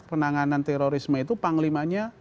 penanganan terorisme itu panglimanya